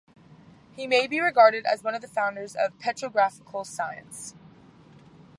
He may be regarded as one of the founders of petrographical science.